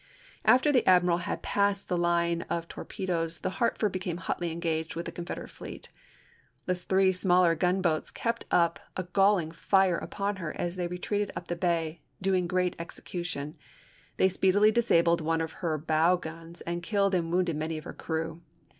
After the admiral had passed the line of tor pedoes the Hartford became hotly engaged with Aug. 5, 1864. the Confederate fleet. The three smaller gunboats kept up a galling fire upon her as they retreated up the bay, doing great execution. They speedily disabled one of her bow guns and killed and wounded many of her crew.